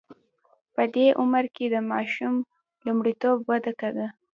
په دې عمر کې د ماشوم لومړیتوب وده ده.